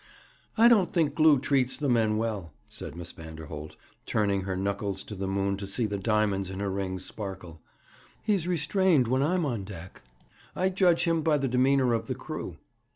'I don't think Glew treats the men well,' said Miss Vanderholt, turning her knuckles to the moon to see the diamonds in her rings sparkle. 'He is restrained when I'm on deck; I judge him by the demeanour of the crew.'